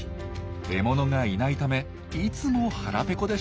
獲物がいないためいつも腹ペコでした。